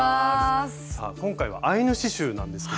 さあ今回は「アイヌ刺しゅう」なんですけど。